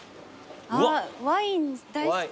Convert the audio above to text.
あっワイン大好き。